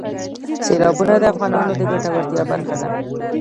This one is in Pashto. سیلابونه د افغانانو د ګټورتیا برخه ده.